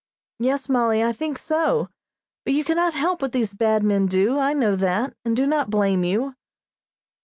"Yes, Mollie, I think so; but you can not help what these bad men do. I know that, and do not blame you."